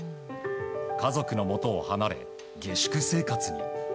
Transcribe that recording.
家族のもとを離れ下宿生活に。